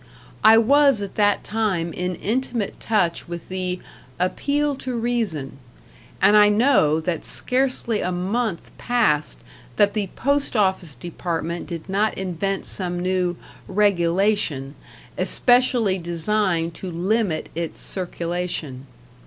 I was at that time in intimate touch with the "Appeal to Reason", and I know that scarcely a month passed that the Post Office Department did not invent some new "regulation" especially designed to limit its circulation.